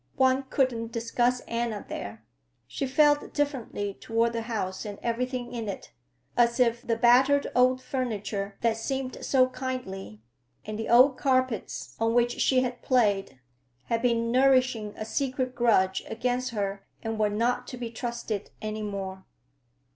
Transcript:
One couldn't discuss Anna there. She felt differently toward the house and everything in it, as if the battered old furniture that seemed so kindly, and the old carpets on which she had played, had been nourishing a secret grudge against her and were not to be trusted any more.